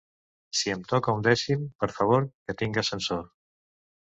Si em toca un dècim, per favor, que tinga ascensor!